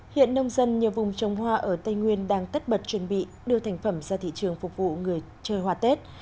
hiện nông dân nhiều vùng trồng hoa ở tây nguyên đang tất bật chuẩn bị đưa thành phẩm ra thị trường phục vụ người chơi hoa tết